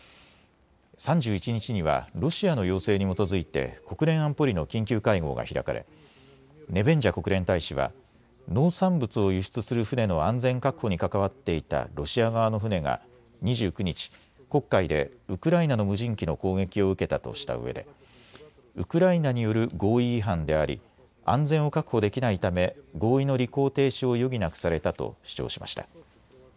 ３１日にはロシアの要請に基づいて国連安保理の緊急会合が開かれネベンジャ国連大使は農産物を輸出する船の安全確保に関わっていたロシア側の船が２９日、黒海でウクライナの無人機の攻撃を受けたとしたうえでウクライナによる合意違反であり安全を確保できないため合意の履行停止を余儀なくされたと主張しました。